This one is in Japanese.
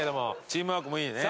チームワークもいいね。